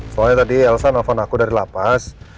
soalnya tadi elsa nelfon aku dari lapas